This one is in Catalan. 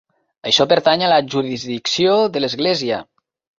Això pertany a la jurisdicció de l"església.